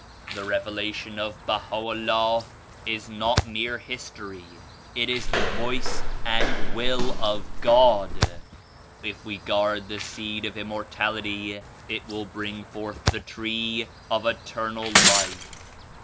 "The Revelation of Baha'u'LLAH is not mere history; it is the Voice and Will of God. If wc guard the seed of Immortality it will bring forth die tree of Eternal Life.